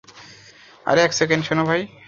আরে এক সেকেন্ড, শোনো ভাই।